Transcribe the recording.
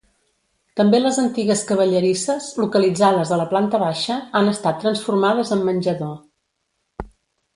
També les antigues cavallerisses -localitzades a la planta baixa- han estat transformades en menjador.